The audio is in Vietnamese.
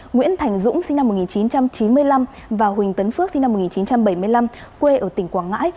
nguyễn thành dũng sinh năm một nghìn chín trăm chín mươi năm và huỳnh tấn phước sinh năm một nghìn chín trăm bảy mươi năm quê ở tỉnh quảng ngãi